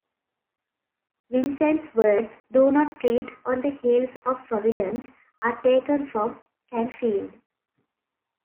Vincent's words, "Do not tread on the heels of Providence," are taken from Canfield.